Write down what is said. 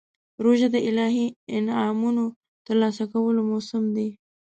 روژه د الهي انعامونو ترلاسه کولو موسم دی.